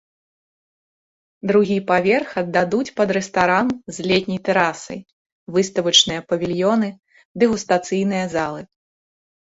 Другі паверх аддадуць пад рэстаран з летняй тэрасай, выставачныя павільёны, дэгустацыйныя залы.